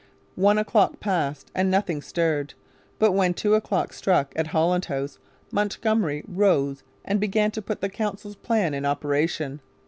One o'clock passed, and nothing stirred. But when two o'clock struck at Holland House Montgomery rose and began to put the council's plan in operation.